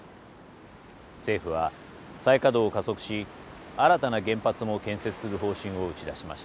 政府は再稼働を加速し新たな原発も建設する方針を打ち出しました。